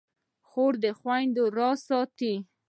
خور د خویندو راز ساتي.